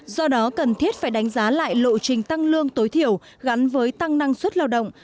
do đó cần thiết phải đánh giá lại lộ trình tăng lương tối thiểu gắn với tăng năng suất lao động